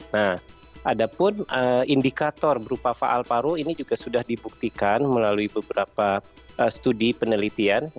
nah ada pun indikator berupa faal paru ini juga sudah dibuktikan melalui beberapa studi penelitian